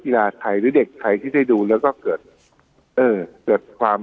ใครหรือเด็กไทยที่ได้ดูแล้วก็เกิดเออเกิดความ